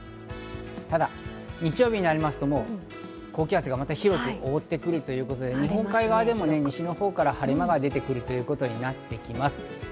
ただ日曜日になりますと、もう高気圧が広く覆ってくるということで、日本海側でも西のほうから晴れ間が出てくるということになってきます。